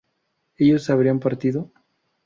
¿ellos habrían partido?